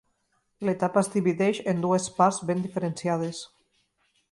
L'etapa es divideix en dues parts ben diferenciades.